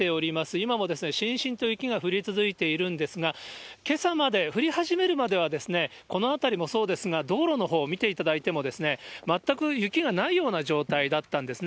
今もしんしんと雪が降り続いているんですが、けさまで、降り始めるまでは、この辺りもそうですが、道路のほう見ていただいても、全く雪がないような状態だったんですね。